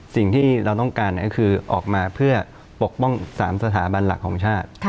สิ่งที่เราต้องการก็คือออกมาเพื่อปกป้อง๓สถาบันหลักของชาติ